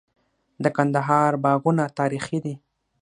د کندهار باغونه تاریخي دي.